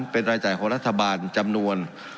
เป็นรายจ่ายของรัฐบาลจำนวน